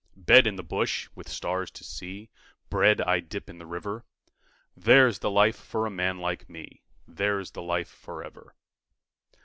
Bed in the bush with stars to see, Bread I dip in the river There's the life for a man like me, There's the life for ever.